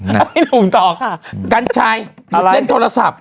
ให้ลุงต่อค่ะกัณฑ์ชายเล่นโทรศัพท์